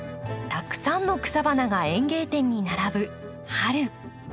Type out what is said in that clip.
たくさんの草花が園芸店に並ぶ春。